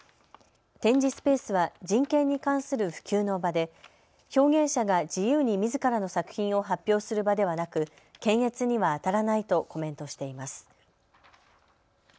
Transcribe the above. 展示スペースは人権に関する普及の場で表現者が自由にみずからの作品を発表する場ではなく検閲にはあたらないとコメントしています。